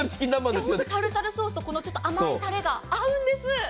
タルタルソースと甘いたれが本当に合うんです。